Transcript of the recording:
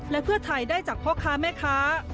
และเพื่อไทยได้จากพ่อค้าแม่ค้า